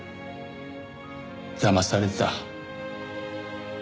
だまされた。